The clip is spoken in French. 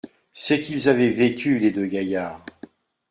C’est qu’ils avaient vécu, les deux gaillards !